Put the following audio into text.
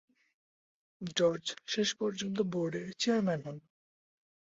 George শেষ পর্যন্ত বোর্ডের চেয়ারম্যান হন।